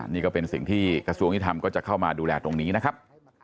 นี่ก็เป็นสิ่งที่กระทรวงยุทธรรมก็จะเข้ามาดูแลตรงนี้นะครับ